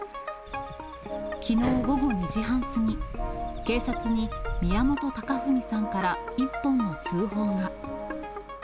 きのう午後２時半過ぎ、警察に、宮本隆文さんから１本の通報が。